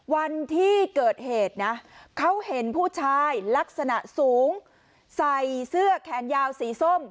วันที่เกิดเหตุนะเขาเห็นผู้ชายลักษณะสูงใส่เสื้อแขนยาวสีส้ม